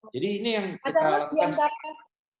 jadi ini yang kita lakukan